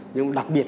nhưng đặc biệt